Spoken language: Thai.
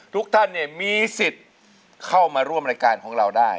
ทุกท่านมีสิทธิ์เข้ามาร่วมรายการของเราได้